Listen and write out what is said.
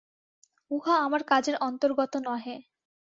উহা আমার কাজের অন্তর্গত নহে।